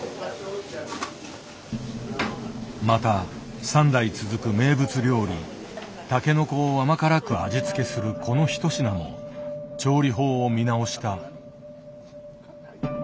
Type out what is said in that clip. また３代続く名物料理タケノコを甘辛く味付けするこのひと品も調理法を見直した。